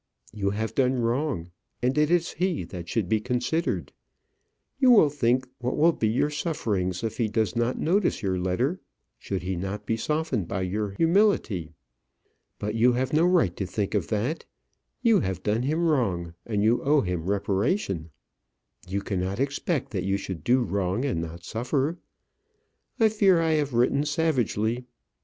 You have done wrong, and it is he that should be considered. You will think what will be your sufferings if he does not notice your letter; should he not be softened by your humility. But you have no right to think of that. You have done him wrong, and you owe him reparation. You cannot expect that you should do wrong and not suffer. I fear I have written savagely.